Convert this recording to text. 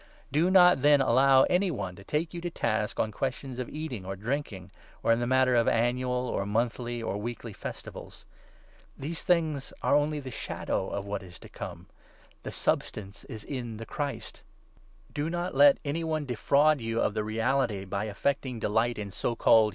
This um< ^° not> then, allow any one to take you to task 16 obs'curecMay on questions of eating or drinking, or in the Gnostic matter of annual or monthly or weekly festivals. Teaching. These things are only the shadow of what is to 17 come ; the substance is in the Christ. Do not let any one 18 defraud you of the reality by affecting delight in so called 3 Isa.